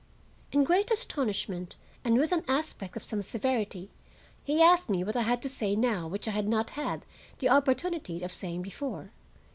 In great astonishment and with an aspect of some severity, he asked me what I had to say now which I had not had the opportunity of saying before.